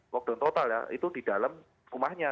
lockdown total ya itu di dalam rumahnya